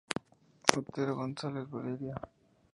Otero González, Valeria.